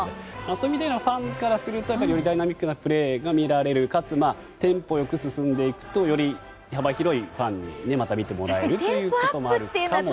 そういう意味でファンからするとよりダイナミックなプレーが見られる、かつより幅広いファンにまた見てもらえるということもあるかも。